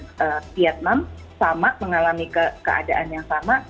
seperti misalnya thailand dan vietnam sama mengalami keadaan yang sama